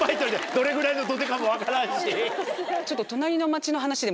どれぐらいの土手かも分からんし。